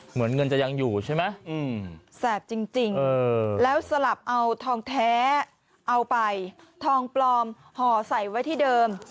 เหมือนเงินจะยังอยู่ใช่ไหมแสบจริงแล้วสลับเอาทองแท้เอาไปทองปลอมห่อใส่ไว้ที่เดิม